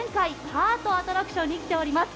カートアトラクションに来ております。